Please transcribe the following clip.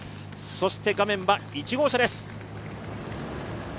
そして画面は１号車です。